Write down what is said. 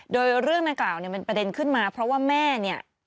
โดยเรื่องดังกล่าวเนี่ยเป็นประเด็นขึ้นมาเพราะว่าแม่เนี่ย